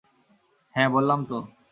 হ্যাঁ বললাম তো।